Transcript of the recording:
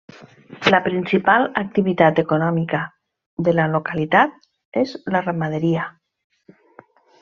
La principal activitat econòmica de la localitat és la ramaderia.